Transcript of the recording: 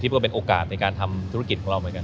เพื่อเป็นโอกาสในการทำธุรกิจของเราเหมือนกัน